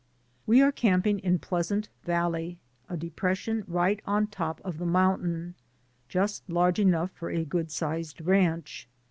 We are camping in Pleasant Valley, a de pression right on top of the mountain, just large enough for a good sized ranch.